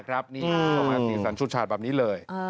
ต้องมีสัญชุดชาติแบบนี้เลย